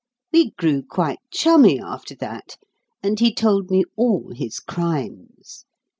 We grew quite chummy after that, and he told me all his crimes.